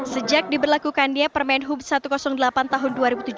sejak diberlakukannya permen hub satu ratus delapan tahun dua ribu tujuh belas